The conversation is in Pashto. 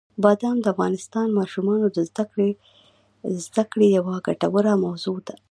بادام د افغان ماشومانو د زده کړې یوه ګټوره موضوع ده.